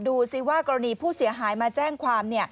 ดูสิว่ากรณีผู้เสียหายมาแจ้งความ